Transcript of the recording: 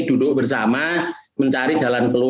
duduk bersama mencari jalan ke jalan dan mencari jalan ke jalan